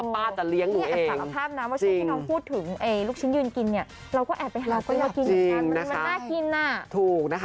ป๊าจะเลี้ยงหนูเอง